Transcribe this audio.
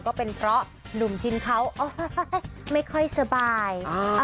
ก็เป็นเพราะหนุ่มชินเขาไม่ค่อยสบาย